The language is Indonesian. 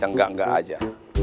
yang enggak enggak aja